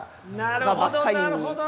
なるほどなるほど。